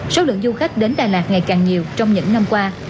số lượng du khách đến đà lạt ngày càng nhiều trong những năm qua